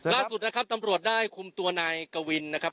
ล่าสุดนะครับตำรวจได้คุมตัวนายกวินนะครับ